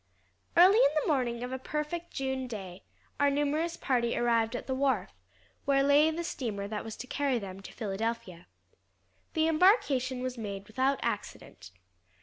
Early in the morning of a perfect June day, our numerous party arrived at the wharf where lay the steamer that was to carry them to Philadelphia. The embarkation was made without accident.